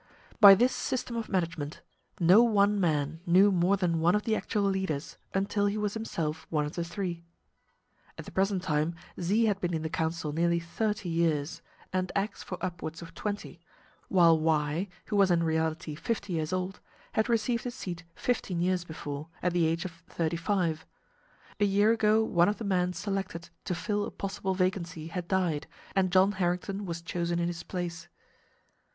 By this system of management no one man knew more than one of the actual leaders until he was himself one of the three. At the present time Z had been in the council nearly thirty years, and X for upwards of twenty, while Y, who was in reality fifty years old, had received his seat fifteen years before, at the age of thirty five. A year ago one of the men selected to fill a possible vacancy had died, and John Harrington was chosen in his place.